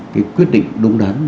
cái quyết định đúng đắn